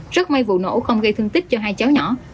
rất may vụ nổ không gây thương tích cho hai cháu nhỏ